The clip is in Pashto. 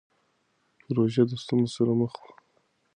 پژو د ستونزو سره مخ و.